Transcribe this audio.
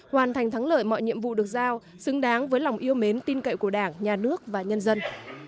hoàn thành thắng lợi mọi nhiệm vụ được giao xứng đáng với lòng yêu mến tin cậy của đảng nhà nước và nhân dân